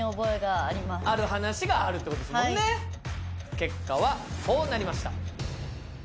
結果はこうなりました。